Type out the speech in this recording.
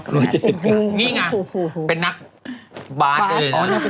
นี่ไงเป็นนักบาสเอ่ยนะนักบาส